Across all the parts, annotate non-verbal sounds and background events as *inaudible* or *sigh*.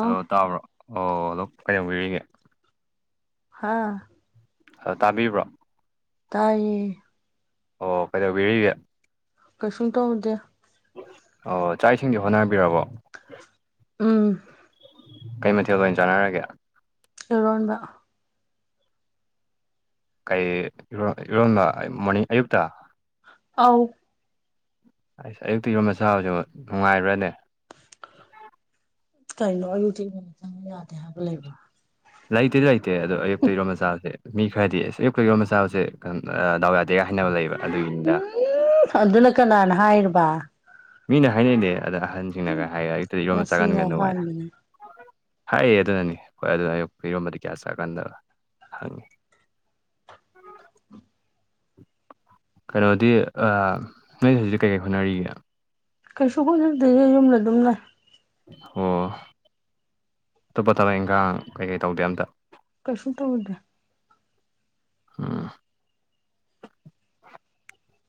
Hello ꯇꯥꯕ꯭ꯔꯣ ꯑꯣ hello ꯀꯩꯗꯧꯕꯤꯔꯤꯒꯦ? ꯍꯥꯥ ꯍꯥ ꯇꯥꯕꯤꯕ꯭ꯔꯣ? ꯇꯥꯏꯌꯦ ꯑꯣ ꯀꯩꯗꯧꯕꯤꯔꯤꯒꯦ? ꯀꯩꯁꯨꯡ ꯇꯧꯗꯦ꯫ ꯑꯣ ꯆꯥꯛ ꯏꯁꯤꯡꯗꯤ ꯍꯣꯠꯅꯕꯤꯔꯕꯣ? ꯎꯝ ꯀꯩ ꯃꯊꯦꯜ ꯑꯣꯏꯅ ꯆꯥꯅꯔꯒꯦ? ꯑꯦꯔꯣꯟꯕ ꯀꯩ ꯏꯔꯣꯟ ꯏꯔꯣꯟꯕ ꯑꯩ ꯃꯣꯔꯅꯤꯡ ꯑꯌꯨꯛꯇ? ꯑꯧ ꯑꯩꯁ ꯑꯌꯨꯛꯇ ꯏꯔꯣꯟꯕ ꯆꯥꯕꯁꯤꯕꯨ ꯅꯨꯡꯉꯥꯏꯕ꯭ꯔꯅꯦ? ꯀꯩꯅꯣ ꯑꯌꯨꯛꯇ ꯏꯔꯣꯟꯕ ꯆꯥꯕ ꯌꯥꯗꯦ ꯍꯥꯏꯕ ꯂꯩꯕ꯭ꯔꯣ ꯂꯩꯇꯦꯗ ꯂꯩꯇꯦ ꯑꯗꯣ ꯑꯌꯨꯛꯇ ꯏꯔꯣꯟꯕ ꯆꯥꯕꯁꯦ ꯃꯤ ꯈꯔꯗꯤ ꯏꯁ ꯑꯌꯨꯛꯇ ꯏꯔꯣꯟꯕ ꯆꯥꯕꯁꯦ ꯑꯝ ꯑꯥ ꯗꯥꯎ ꯌꯥꯗꯦꯒ ꯍꯥꯏꯅꯕ ꯂꯩꯕ ꯑꯗꯨꯒꯤꯅꯤꯗ *unintelligible* ꯑꯗꯨꯅ ꯀꯅꯥꯅ ꯍꯥꯏꯔꯕ? ꯃꯤꯅ ꯍꯥꯏꯅꯩꯗꯤ ꯑꯗ ꯑꯍꯟꯁꯤꯡꯅꯒ ꯍꯥꯏꯔ ꯑꯌꯨꯛꯇꯗꯤ ꯏꯔꯣꯟꯕ ꯉꯁꯤꯅ ꯆꯥꯒꯟꯒꯅꯨ ꯍꯥꯏꯅ ꯑꯍꯥꯟꯕꯅꯦ ꯍꯥꯏꯌꯦ ꯑꯗꯨꯅꯅꯤ ꯈꯣꯏ ꯑꯗꯨꯅ ꯑꯌꯨꯛ ꯏꯔꯣꯟꯕꯗꯤ ꯀ꯭ꯌꯥ ꯆꯥꯒꯟꯗꯕ ꯍꯪꯏ ꯀꯩꯅꯣꯗꯤ ꯑꯥ ꯅꯣꯏ ꯍꯧꯖꯤꯛ ꯀꯩꯀꯩ ꯍꯣꯠꯅꯔꯤꯒꯦ? ꯀꯩꯁꯨ ꯍꯣꯠꯅꯗꯦꯌꯦ ꯌꯨꯝꯗ ꯑꯗꯨꯝ ꯂꯩ꯫ ꯑꯣ ꯑꯇꯣꯞꯄ ꯊꯕꯛ ꯏꯪꯈꯥꯡ ꯀꯩꯀꯩ ꯇꯧꯗꯦ ꯑꯝꯇ ꯀꯩꯁꯨꯡ ꯇꯧꯗꯦ ꯎꯝ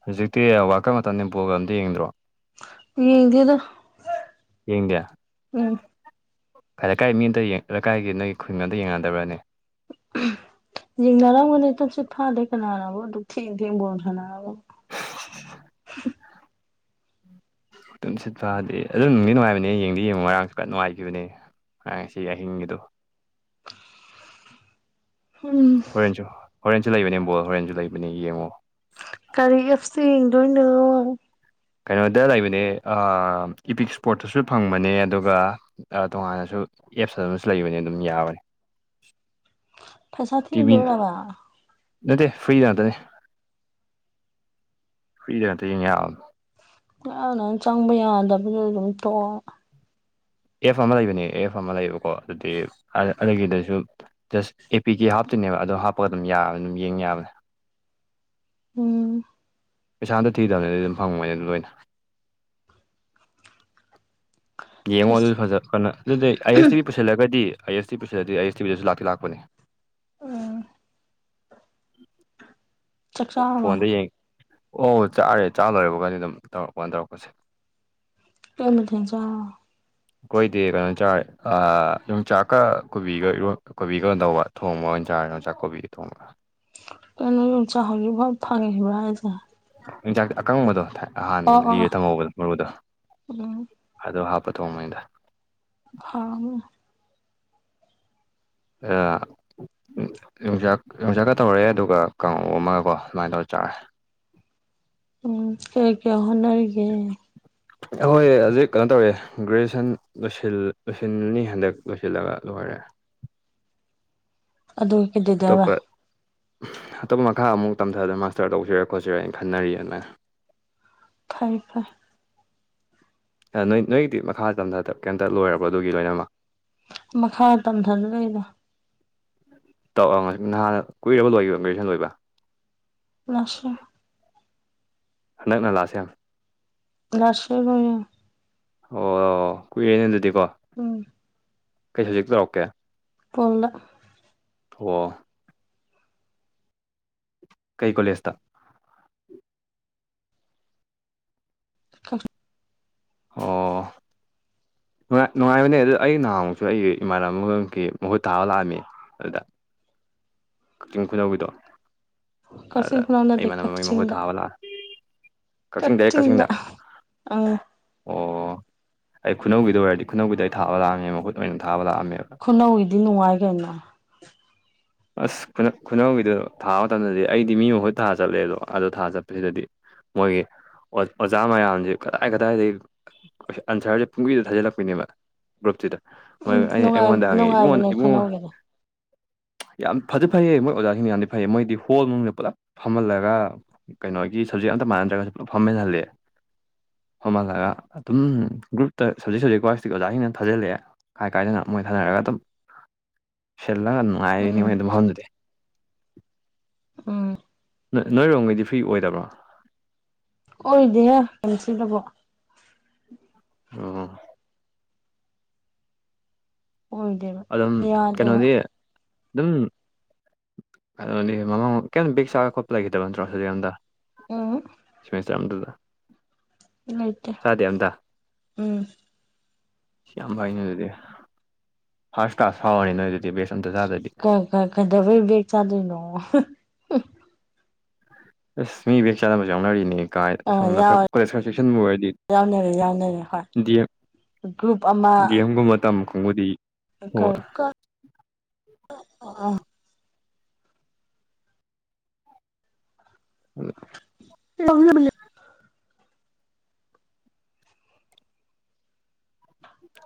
ꯍꯧꯖꯤꯛꯇꯤ ꯋꯥ꯭ꯔꯜ ꯀꯞ ꯃꯇꯝꯅꯦ ꯕꯣꯜꯒ ꯑꯝꯇ ꯌꯦꯡꯗ꯭ꯔꯣ? ꯌꯦꯡꯗꯦꯗ *unintelligible* ꯎꯝ ꯍꯥ ꯂꯩꯀꯥꯏ ꯃꯤ ꯑꯝꯇ ꯌꯦꯡ ꯂꯩꯀꯥꯏꯒꯤ ꯅꯣꯏ ꯈꯨꯟꯒ ꯑꯝꯇ ꯌꯦꯡꯅꯗꯕ꯭ꯔꯥꯅꯦ? ꯌꯦꯡꯅꯔꯝꯒꯅꯤ ꯇꯨꯝꯁꯤꯠ ꯐꯥꯗꯦ ꯀꯅꯥꯅꯕꯨ ꯑꯗꯨꯛ ꯊꯦꯡ ꯊꯦꯡ ꯕꯣꯜ ꯁꯥꯟꯅꯔꯒ ꯇꯨꯝꯁꯤꯠ ꯐꯥꯗꯦꯌꯦ ꯑꯗꯨꯗꯨꯝ ꯅꯨꯡꯗꯤ ꯅꯨꯡꯉꯥꯏꯕꯅꯦ ꯌꯦꯡꯗꯤ ꯌꯦꯡꯉꯣ ꯉꯥꯔꯥꯡꯁꯨ ꯀꯟ ꯅꯨꯡꯉꯥꯏꯈꯤꯕꯅꯦ ꯍꯥꯏ ꯉꯁꯤ ꯑꯍꯤꯡꯒꯤꯗꯣ ꯎꯝ ꯍꯣꯔꯦꯟꯁꯨ ꯍꯣꯔꯦꯟꯁꯨ ꯂꯩꯕꯅꯦ ꯕꯣꯜ ꯍꯣꯔꯦꯟꯁꯨ ꯂꯩꯕꯅꯦ ꯌꯦꯡꯉꯣ ꯀꯔꯤ ꯑꯦꯞꯁꯇ ꯌꯦꯡꯗꯣꯏꯅꯣ? ꯀꯩꯅꯣꯗ ꯂꯩꯕꯅꯦ ꯑꯥ ꯏꯄꯤꯛꯁ ꯁꯄ꯭ꯔꯣꯠꯇꯁꯨ ꯐꯪꯕꯅꯦ ꯑꯗꯨꯒ ꯑꯥ ꯇꯣꯉꯥꯟꯅꯁꯨ ꯑꯦꯞꯁ ꯑꯃꯁꯨ ꯂꯩꯕꯅꯦ ꯑꯗꯨꯝ ꯌꯥꯕꯅꯤ ꯄꯩꯁꯥ ꯇꯤꯚꯤ ꯊꯤꯗꯣꯏꯔꯕ? ꯅꯠꯇꯦ ꯐ꯭ꯔꯤꯗ ꯉꯥꯛꯇꯅꯦ ꯐ꯭ꯔꯤꯗ ꯉꯛꯇ ꯌꯦꯡ ꯌꯥꯕꯅꯤ ꯉꯥꯔꯥꯡꯅ ꯆꯪꯕ ꯌꯥꯗꯕꯗꯨꯗ ꯑꯗꯨꯝ ꯇꯣꯛꯑꯕ ꯑꯦꯐ ꯑꯃ ꯂꯩꯕꯅꯦ ꯑꯦꯐ ꯑꯃ ꯂꯩꯌꯦꯕꯀꯣ ꯑꯗꯨꯗꯤ ꯑꯗꯨꯒꯤꯗꯁꯨ ꯖꯁ ꯑꯦꯄꯤꯀꯦ ꯍꯥꯞꯇꯨꯏꯅꯦꯕ ꯑꯗꯨ ꯍꯥꯞꯄꯒ ꯑꯗꯨꯝ ꯌꯥꯕꯅꯦ ꯑꯗꯨꯝ ꯌꯦꯡ ꯌꯥꯕꯅꯦ ꯎꯝ ꯄꯩꯁꯥ ꯑꯝꯇ ꯊꯤꯗꯕꯅꯦ ꯑꯗꯨꯝ ꯐꯪꯕꯅꯦ ꯑꯗꯨ ꯂꯣꯏꯅ ꯌꯦꯡꯉꯣ ꯑꯗꯨ ꯑꯁ ꯐꯖ ꯀꯩꯅꯣ ꯑꯗꯨꯗꯤ ꯑꯥꯏ ꯑꯦꯁ ꯌꯦꯡꯉꯣ ꯑꯗꯨ ꯐꯖꯕꯅꯦ ꯑꯗꯨꯗꯤ ꯑꯥꯏ ꯑꯦꯁ ꯇꯤꯚꯤ ꯄꯨꯁꯜꯂꯒꯗꯤ ꯑꯥꯏ ꯑꯦꯁ ꯇꯤꯚꯤ ꯄꯨꯁꯤꯜꯂꯗꯤ ꯑꯥꯏ ꯑꯦꯁ ꯇꯤꯚꯤꯗꯁꯨ ꯂꯥꯛꯇꯤ ꯂꯥꯛꯄꯅꯦ ꯎꯝ ꯆꯥꯛ ꯆꯥꯔꯕ ꯐꯣꯟꯗ ꯌꯦꯡ ꯑꯣ ꯆꯥꯔꯦ ꯆꯥ ꯂꯣꯏꯕꯒꯅꯦ ꯑꯗꯨꯝ ꯇꯧꯔꯛꯄꯥꯟ ꯇꯧꯔꯛꯄꯁꯦ ꯀꯩ ꯃꯊꯦꯜ ꯆꯥ ꯑꯩꯈꯣꯏꯗꯤ ꯀꯩꯅꯣ ꯆꯥꯔꯦ ꯑꯥ ꯌꯣꯡꯆꯥꯛꯀ ꯀꯣꯕꯤꯒ ꯏꯔꯣꯟ ꯀꯣꯕꯤꯒꯗꯧꯕ ꯊꯣꯡꯕ ꯑꯣꯏꯅ ꯆꯥꯔꯦ ꯌꯣꯡꯆꯥꯛꯀ ꯀꯣꯕꯤꯒ ꯊꯣꯡꯕ ꯀꯩꯅꯣ ꯌꯣꯡꯆꯥꯛ ꯍꯧꯖꯤꯛꯐꯥꯎ ꯐꯪꯉꯤꯕ ꯍꯥꯏꯁꯦ ꯌꯣꯡꯆꯥꯛꯇꯤ ꯑꯀꯪꯕꯗꯣ ꯍꯥꯟꯕ ꯑꯣ ꯑꯣ ꯂꯤꯔꯦ ꯊꯝꯍꯧꯕꯗꯣ ꯃꯔꯨꯗꯣ ꯎꯝ ꯑꯗꯣ ꯍꯥꯞꯄ ꯊꯣꯡꯕꯅꯤꯗ ꯍꯥꯎꯅꯤ ꯑꯥ ꯌꯣꯡꯆꯥꯛ ꯌꯣꯡꯆꯥꯛꯀ ꯇꯧꯔꯦ ꯑꯗꯨꯒ ꯀꯥꯡꯍꯧ ꯑꯃꯒꯀꯣ ꯑꯗꯨꯃꯥꯏꯅ ꯇꯧꯔ ꯆꯥꯔꯦ ꯎꯝ ꯀꯩ ꯀꯩ ꯍꯣꯠꯅꯔꯤꯒꯦ ꯑꯩꯈꯣꯏ ꯍꯧꯖꯤꯛ ꯀꯩꯅꯣ ꯇꯧꯔꯦ ꯒ꯭ꯔꯦꯖꯨꯑꯦꯁꯟ ꯂꯣꯏꯁꯤꯜ ꯂꯣꯏꯁꯤꯜꯂꯅꯤ ꯍꯟꯗꯛ ꯂꯣꯏꯁꯤꯜꯂꯒ ꯂꯣꯏꯔꯦ ꯑꯗꯨ ꯑꯇꯣꯞꯄ ꯑꯇꯣꯞꯄ ꯃꯈꯥ ꯑꯃꯨꯛ ꯇꯝꯊꯗꯅ ꯃꯥꯁꯇꯔ ꯇꯧꯁꯤꯔ ꯈꯣꯠꯁꯤꯔꯅ ꯈꯟꯅꯔꯤꯌꯦ ꯑꯗꯨꯃꯥꯏꯅ ꯐꯩ ꯐꯩ ꯅꯣꯏ ꯅꯣꯏꯒꯤꯗꯤ ꯃꯈꯥ ꯇꯝꯊ ꯀꯩꯝꯇ ꯂꯣꯏꯔꯕꯣ ꯑꯗꯨꯒꯤ ꯂꯣꯏꯅꯃꯛ ꯃꯈꯥ ꯇꯝꯊꯔꯔꯣꯏꯗ ꯇꯧ ꯑꯥ ꯅꯥꯍꯥꯟꯅ ꯀꯨꯏꯔꯕꯣ ꯂꯣꯏꯒꯤꯕ ꯒ꯭ꯔꯦꯖꯨꯑꯦꯁꯟ ꯂꯣꯏꯕ ꯂꯥꯁ ꯏꯌ꯭ꯥꯔ ꯍꯟꯗꯛꯅ ꯂꯥꯏꯁ ꯏꯌꯥ꯭ꯔ ꯂꯥꯁ ꯏꯌꯥ꯭ꯔ ꯂꯣꯏꯔꯦ ꯑꯣ ꯀꯨꯏꯔꯦꯅꯦ ꯑꯗꯨꯗꯤꯀꯣ ꯎꯝ ꯀꯩ ꯁꯞꯖꯦꯛ ꯇꯧꯔꯛꯀꯦ ꯄꯣꯜꯂ ꯑꯣ ꯀꯩ ꯀꯣꯂꯦꯖꯇ *unintelligible* ꯑꯣ ꯅꯨꯡꯉꯥꯏ ꯅꯨꯡꯉꯥꯏꯕꯅꯦ ꯑꯗꯨ ꯑꯩ ꯅꯍꯥꯟꯃꯨꯛꯁꯨ ꯑꯩ ꯏꯃꯥꯟꯅꯕꯑꯃꯈꯛꯀꯤ ꯃꯍꯨꯠ ꯊꯥꯕ ꯂꯥꯛꯑꯝꯃꯤ ꯑꯗꯨꯗ ꯀꯥꯛꯆꯤꯡ ꯈꯨꯅꯧꯒꯤꯗꯣ ꯑꯗꯨꯗ ꯀꯛꯆꯤꯡ ꯈꯨꯅꯧ ꯑꯩ ꯅꯠꯇꯦ ꯏꯃꯥꯟꯅꯕ ꯑꯃꯒꯤ ꯃꯍꯨꯠ ꯀꯛꯆꯤꯡꯗ ꯊꯥꯕ ꯂꯥꯛ ꯀꯛꯆꯤꯡ ꯗꯥꯏꯔꯦꯛ ꯀꯛꯆꯤꯡꯗ ꯎꯝ ꯑꯣ ꯑꯩ ꯈꯨꯅꯧꯒꯤꯗꯣ ꯑꯣꯏꯔꯗꯤ ꯈꯨꯅꯧꯒꯤꯗ ꯑꯩ ꯊꯥꯕ ꯂꯥꯛꯑꯝꯃꯦ ꯃꯍꯨꯠ ꯑꯣꯏꯅ ꯊꯥꯕ ꯂꯥꯛꯑꯝꯃꯦꯕ ꯈꯨꯅꯧꯒꯤꯗꯤ ꯅꯨꯡꯉꯥꯏ ꯀꯩꯅꯣ ꯑꯁ ꯈꯨꯅꯧꯒꯤꯗꯨ ꯊꯥꯕ ꯃꯇꯝꯗꯗꯤ ꯑꯩꯗꯤ ꯃꯤ ꯃꯍꯨꯠ ꯊꯥ ꯆꯠꯂꯦ ꯑꯗꯣ ꯊꯥ ꯆꯠꯄꯁꯤꯗꯗꯤ ꯃꯣꯏꯒꯤ ꯑꯣꯖꯥ ꯃꯌꯥꯝꯁꯤ ꯀꯗꯥꯏ ꯀꯗꯥꯏꯗꯩ *unintelligible* ꯑꯟꯁꯔꯁꯦ ꯄꯨꯡꯒꯤꯗ ꯊꯥꯖꯤꯜꯂꯛꯄꯤꯅꯦꯕ ꯒ꯭ꯔꯨꯞꯇꯨꯗ ꯃꯣꯏ ꯎꯝ ꯑꯩ ꯅꯨꯡꯉꯥꯏ ꯑꯩꯉꯣꯟꯗ ꯍꯪꯉꯛꯑꯦ ꯏꯕꯨꯡꯉꯣ ꯅꯨꯡꯉꯥꯏꯕꯅꯦ ꯏꯕꯨꯡꯉꯣ ꯈꯨꯅꯧꯒꯤꯗꯣ ꯌꯥꯝ ꯐꯗꯤ ꯐꯩꯌꯦ ꯃꯣꯏ ꯑꯣꯖꯥꯁꯤꯡꯗꯣ ꯌꯥꯝꯗꯤ ꯐꯩꯌꯦ ꯃꯣꯏꯗꯤ ꯍꯣꯜ ꯃꯅꯨꯡꯗꯅ ꯄꯨꯂꯞ ꯐꯝꯍꯜꯂꯒꯥ ꯀꯩꯅꯣꯒꯤ ꯁꯞꯖꯦꯛ ꯑꯝꯇ ꯃꯥꯟꯅꯗ꯭ꯔꯒꯁꯨ ꯄꯨꯂꯞ ꯐꯝꯃꯤꯟꯍꯜꯂꯦ ꯐꯝꯍꯜꯂꯒ ꯑꯗꯨꯝ ꯒ꯭ꯔꯨꯞꯇ ꯁꯕꯖꯦꯛ ꯁꯕꯖꯦꯛ ꯋꯥꯏꯁꯇꯒꯤ ꯑꯣꯖꯥꯁꯤꯡꯅ ꯊꯥꯖꯤꯜꯂꯛꯑꯦ ꯀꯥꯏ ꯀꯥꯏꯗꯩꯅꯣ ꯃꯣꯏ ꯊꯥꯅꯔꯒ ꯑꯗꯨꯝ ꯁꯤꯜꯂꯒ ꯅꯨꯡꯉꯥꯏꯔꯤꯅꯤ ꯎꯝ ꯃꯣꯏ ꯑꯗꯨ ꯃꯐꯝꯗꯨꯗꯤ ꯎꯝ ꯅꯣꯏ ꯅꯣꯏꯔꯣꯝꯒꯤꯗꯤ ꯐ꯭ꯔꯤ ꯑꯣꯏꯗꯕ꯭ꯔꯣ ꯑꯣꯏꯗꯦꯍꯦ *unintelligible* ꯗꯕꯨ *unintelligible* ꯑꯣꯏꯗꯦꯕ ꯑꯗꯨꯝ ꯌꯥꯗꯦꯕ ꯀꯩꯅꯣꯗꯤ ꯑꯗꯨꯝ ꯀꯩꯅꯣꯅꯤ ꯃꯃꯥꯡ ꯀꯩꯝ ꯕꯦꯛ ꯆꯥꯕ ꯈꯣꯠꯄ ꯂꯩꯈꯤꯗꯕ ꯅꯠꯇ꯭ꯔꯣ ꯁꯕꯖꯦꯛ ꯑꯝꯗ ꯎꯝ ꯁꯦꯃꯦꯁꯇ꯭ꯔ ꯑꯝꯇꯗ ꯂꯩꯇꯦ ꯆꯥꯗꯦ ꯑꯝꯗ ꯎꯝ ꯌꯥꯝ ꯐꯩ ꯑꯗꯨꯗꯤ ꯐꯥꯔꯁ ꯀ꯭ꯂꯥꯁ ꯐꯥꯎꯔꯅꯤ ꯅꯣꯏ ꯑꯗꯨꯗꯤ ꯕꯦꯛꯁꯨ ꯑꯝꯇ ꯆꯥꯗ꯭ꯔꯗꯤ ꯀ ꯀ ꯀꯩꯗꯧꯕꯩ ꯕꯦꯛ ꯆꯥꯗꯣꯏꯅꯣ *unintelligible* ꯑꯁ ꯃꯤ ꯕꯦꯛ ꯆꯥꯅꯕꯁꯨ ꯌꯥꯎꯅꯔꯤꯅꯦ ꯀꯥꯏ ꯑ ꯁꯣꯝꯅ ꯈꯔ ꯀꯣꯂꯦꯖ ꯈꯔ ꯆꯦꯛꯁꯤꯟꯕ ꯑꯣꯏꯔꯗꯤ ꯌꯥꯎꯅꯔꯦ ꯌꯥꯎꯅꯔꯦ ꯍꯣꯏ D M group D M ꯒꯨꯝꯕ ꯇꯝ ꯀꯥꯡꯕꯨꯗꯤ ꯍꯣꯏ *unintelligible* ꯀ *unintelligible* ꯑ *unintelligible* *unintelligible*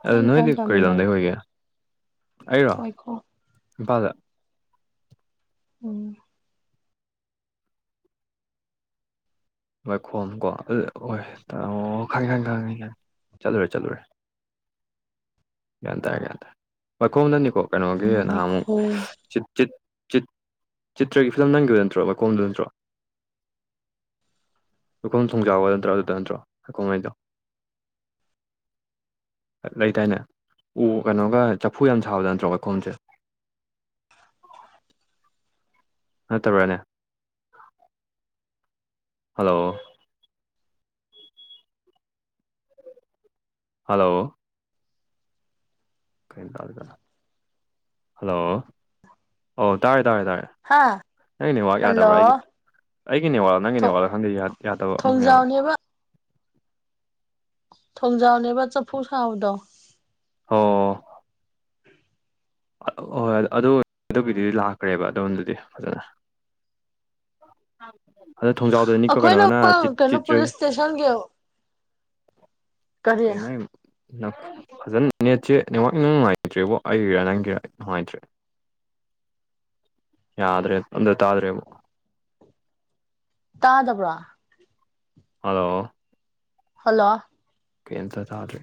ꯑꯗꯨ ꯅꯪ ꯅꯣꯏꯗꯤ ꯀꯥꯏ ꯀꯔꯤ ꯂꯝꯗꯒꯤ ꯇꯥꯃꯤꯟꯅꯩꯅꯣ ꯑꯣꯏꯒꯦ ꯑꯩꯔꯣ ꯋꯥꯏꯈꯣ ꯏꯝꯐꯥꯜꯗ ꯎꯝ ꯋꯥꯥꯏꯈꯣꯝ ꯀꯣ ꯑꯗꯨ ꯑꯣꯏ *unintelligible* ꯑꯣ ꯈꯪꯉꯦ ꯈꯪꯉꯦ ꯈꯪꯉꯦ ꯆꯠꯂꯨꯔꯦ ꯆꯠꯂꯨꯔꯦ ꯒ꯭ꯌꯥꯟ ꯇꯥꯔꯦ ꯒ꯭ꯌꯥꯟ ꯇꯥꯔꯦ ꯋꯥꯥꯏꯈꯣꯡꯗꯅꯤꯀꯣ ꯀꯩꯅꯣꯒꯤ ꯅꯍꯥꯟꯃꯨꯛ ꯋꯥꯏꯈꯣ *unintelligible* ꯆꯤꯠ ꯆꯤꯠ ꯆꯤꯠ ꯆꯤꯠꯇ꯭ꯔꯒꯤ ꯐꯤꯂꯝ ꯅꯝꯒꯤꯕꯗꯨ ꯅꯠꯇ꯭ꯔꯣ ꯋꯥꯏꯈꯣꯝꯗ ꯅꯠꯇ꯭ꯔꯣ *unintelligible* ꯅꯠꯇ꯭ꯔꯣ *unintelligible* ꯅꯠꯇ꯭ꯔꯣ *unintelligible* ꯂꯩꯇꯥꯏꯅꯦ ꯎ ꯀꯩꯅꯣꯒ ꯆꯐꯨ ꯌꯥꯝ ꯁꯥꯕꯗꯣ ꯅꯠꯇ꯭ꯔꯣ ꯋꯥꯏꯈꯣꯝꯁꯦ ꯅꯠꯇꯕ꯭ꯔꯥꯅꯦ ꯍꯜꯂꯣ ꯍꯜꯂꯣ *unintelligible* ꯍꯜꯂꯣ ꯑꯣ ꯇꯥꯔꯦ ꯇꯥꯔꯦ ꯇꯥꯔꯦ ꯍꯥ ꯅꯪꯒꯤ ꯅꯦꯠꯋꯥꯛ ꯌꯥꯗꯕ꯭ꯔꯥ ꯍꯜꯂꯣ ꯑꯩꯒꯤ ꯑꯩꯒꯤ ꯅꯦꯠꯋꯥꯛꯂ ꯅꯪꯒꯤ ꯅꯦꯠꯋꯥꯛꯂ ꯈꯪꯗꯦ ꯌꯥ ꯌꯥꯗꯕ ꯑꯃ ꯌꯥꯎꯔꯦ ꯊꯣꯡꯖꯥꯎꯅꯦꯕ ꯊꯣꯡꯖꯥꯎꯅꯦꯕꯥ ꯆꯐꯨ ꯁꯥꯕꯗꯣ ꯑꯣ ꯑꯛ ꯍꯣꯏ ꯑꯗꯨ ꯅꯠꯇꯕꯤꯗꯤ ꯂꯥꯛꯈ꯭ꯔꯦꯕ ꯑꯗꯣꯝꯗꯗꯤ ꯐꯖꯅ *unintelligible* ꯑꯗꯣ ꯊꯣꯡꯖꯥꯎꯗꯩꯩꯅꯤꯀꯣ ꯑꯩꯈꯣꯏꯅ ꯀꯩꯅꯣꯅ ꯆꯤꯠ ꯀꯩꯅꯣ ꯆꯤꯠꯇ꯭ꯔꯦ ꯄꯨꯂꯤꯁ ꯏꯁꯇꯦꯁꯟꯒꯤ ꯀꯔꯤ ꯀꯩ ꯃꯥꯏ *unintelligible* *unintelligible* ꯐꯖꯅ ꯅꯦꯠꯁꯦ ꯅꯦꯠꯋꯥꯛ ꯏꯅꯨꯡ ꯅꯨꯡꯉꯥꯏꯇ꯭ꯔꯦꯕꯣ ꯑꯩꯒꯤꯔ ꯅꯪꯒꯤꯔ ꯅꯨꯡꯉꯥꯏꯇ꯭ꯔꯦ ꯌꯥꯗ꯭ꯔꯦ ꯑꯝꯗ ꯇꯥꯗ꯭ꯔꯦꯕꯣ ꯇꯥꯗꯕ꯭ꯔꯣ ꯍꯜꯂꯣ ꯍꯜꯂꯣ ꯀꯩꯝꯇ ꯇꯥꯗ꯭ꯔꯦ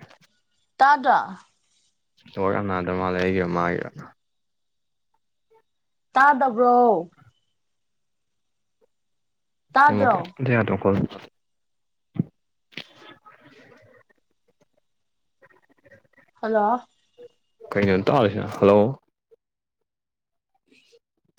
ꯇꯥꯗ꯭ꯔꯣ ꯅꯦꯠꯋꯥꯛ ꯌꯥꯝ ꯌꯥꯗꯕ ꯃꯥꯜꯂꯦ ꯑꯩꯒꯤꯔ ꯃꯥꯒꯤꯔ ꯇꯥꯗꯕ꯭ꯔꯣ ꯅꯦꯠꯋꯥꯛ ꯇꯥꯗ꯭ꯔꯣ ꯀꯩꯝꯇ ꯌꯥꯗ *unintelligible* ꯀꫭꯜ ꯑꯝꯇ ꯇꯧꯗꯦ ꯍꯜꯂꯣ ꯀꯩꯅꯣ ꯇꯥꯗ꯭ꯔꯤ ꯁꯤꯅ ꯍꯜꯂꯣ *inaudible*